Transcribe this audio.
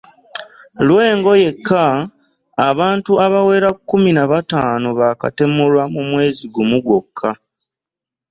Lwengo yekka, abantu abawera kkumi na bataano baakatemulwa mu mwezi gumu gwokka.